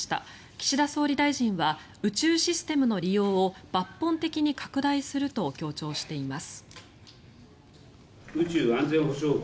岸田総理大臣は宇宙システムの利用を抜本的に拡大すると強調しています。